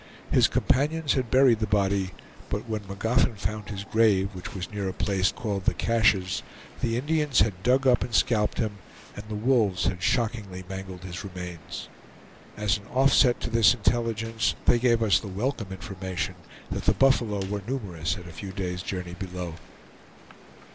His companions had buried the body; but when Magoffin found his grave, which was near a place called the Caches, the Indians had dug up and scalped him, and the wolves had shockingly mangled his remains. As an offset to this intelligence, they gave us the welcome information that the buffalo were numerous at a few days' journey below.